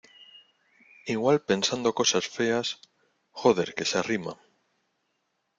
igual pensando cosas feas... joder, que se arrima .